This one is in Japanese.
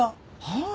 はい。